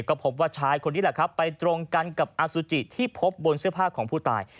ก็พบว่าชายคนนี้แหละครับไปตรงกันกับอสุจิที่พบบนเสื้อผ้าของผู้ตาย